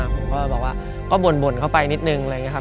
ผมก็บอกว่าก็บ่นเข้าไปนิดนึงอะไรอย่างนี้ครับ